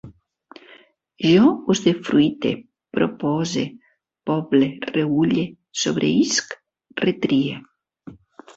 Jo usdefruite, propose, poble, reülle, sobreïsc, retrie